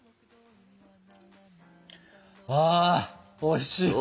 あおいしいわ！